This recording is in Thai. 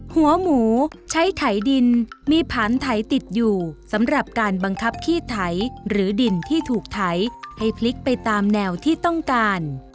หัวหมูใช้ไถดินมีผันไถติดอยู่สำหรับการบังคับขี้ไถหรือดินที่ถูกไถให้พลิกไปตามแนวที่ต้องการ